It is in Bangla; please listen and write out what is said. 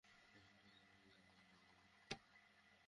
ভবিষ্যতের কথা আমি জানতে পারি না।